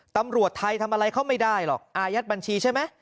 ตำรวจไทยทำอะไรเขาไม่ได้หรอกอายัดบัญชีใช่ไหม